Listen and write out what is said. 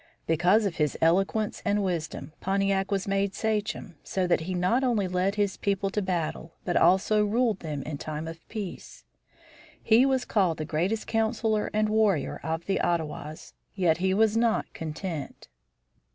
Because of his eloquence and wisdom, Pontiac was made sachem, so that he not only led his people to battle, but also ruled them in time of peace. He was called the greatest councilor and warrior of the Ottawas; yet he was not content.